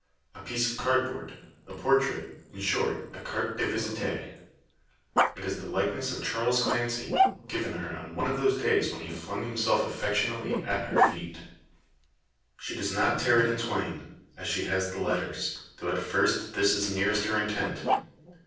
A piece of cardboard a portrait in short, a carte de visite. It is the likeness of Charles Clancy, given her on one of those days when he flung himself affectionately at her feet. She does not tear it in twain, as she has the letters; though at first this is nearest her intent.